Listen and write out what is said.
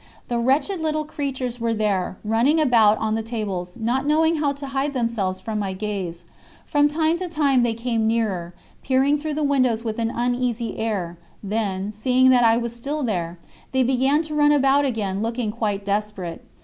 The wretched little creatures were there, running about on the tables, not knowing how to hide themselves from my gaze. From time to time they came nearer, peering through the windows with an uneasy air, then, seeing that I was still there, they began to run about again looking quite desperate.